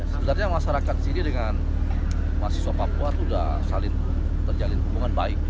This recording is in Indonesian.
sebenarnya masyarakat sini dengan mahasiswa papua itu sudah saling terjalin hubungan baik